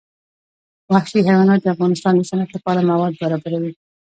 وحشي حیوانات د افغانستان د صنعت لپاره مواد برابروي.